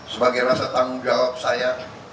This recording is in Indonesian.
sebagai rasa tanggung jawab saya